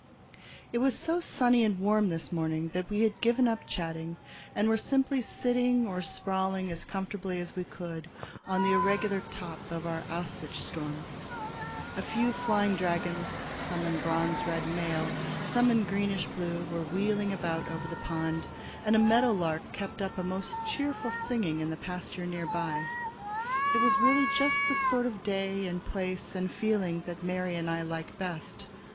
It was so sunny and warm this morning that we had given up chatting and were simply sitting or sprawling as comfortably as we could on the irregular top of our Aussichtsthurm. A few flying dragons, some in bronze red mail, some in greenish blue, were wheeling about over the pond, and a meadow lark kept up a most cheerful singing in the pasture nearby. It was really just the sort of day and place and feeling that Mary and I like best.